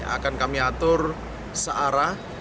akan kami atur searah